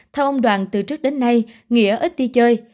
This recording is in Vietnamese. theo ông đoàn từ trước đến nay nghĩa ít đi chơi